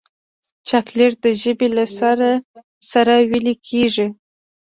چاکلېټ د ژبې له سر سره ویلې کېږي.